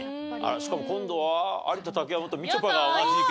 しかも今度は有田竹山とみちょぱが同じ意見。